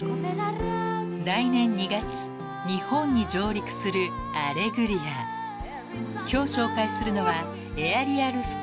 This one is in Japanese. ［来年２月日本に上陸する『アレグリア』］［今日紹介するのは］